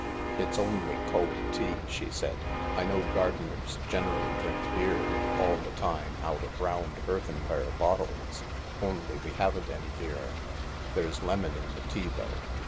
"It's only cold tea," she said. "I know gardenem generally drink beer all the time out of round earthenware bottles. Only we haven't any beer. There's lemon in the tea though.